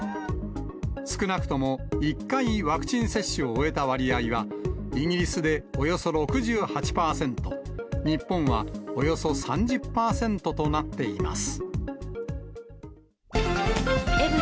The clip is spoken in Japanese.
少なくとも１回、ワクチン接種を終えた割合はイギリスでおよそ６８％、日本はおよそ３０％となっています。